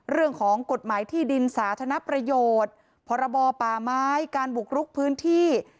เรื่องของกฎหมายที่ดินสาธารณประโยชน์พรบป่าไม้การบุกรุกพื้นที่